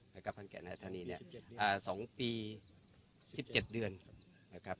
นะครับพันแก่นะธานีเนี้ยอ่าสองปีสิบเจ็ดเดือนนะครับ